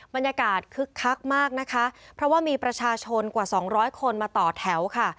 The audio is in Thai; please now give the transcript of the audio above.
บรรยากาศคึกคักมากนะคะเพราะว่ามีประชาชนกว่า๒๐๐คนมาต่อแถวค่ะ